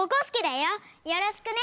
よろしくね。